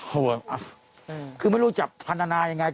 โหว่ะคือไม่รู้จับพันธนาอย่างไร